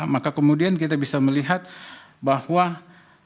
maka kemudian kita bisa melihat bahwa itu adalah proses yang dijalankan oleh mahkamah